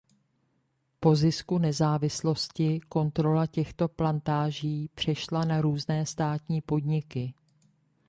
Po zisku nezávislosti kontrola těchto plantáží přešla na různé státní podniky.